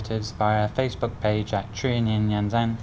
trong đài truyền hình nhân dân